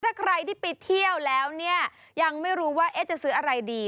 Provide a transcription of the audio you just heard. ถ้าใครที่ไปเที่ยวแล้วเนี่ยยังไม่รู้ว่าจะซื้ออะไรดี